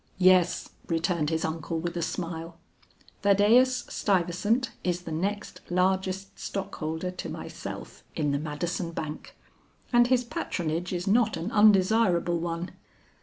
"Yes," returned his uncle with a smile, "Thaddeus Stuyvesant is the next largest stockholder to myself in the Madison Bank, and his patronage is not an undesirable one."